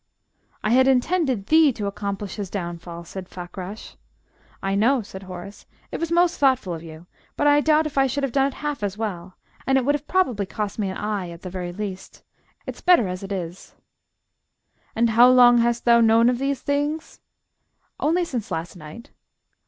"I had intended thee to accomplish his downfall," said Fakrash. "I know," said Horace. "It was most thoughtful of you. But I doubt if I should have done it half as well and it would have probably cost me an eye, at the very least. It's better as it is." "And how long hast thou known of these things?" "Only since last night."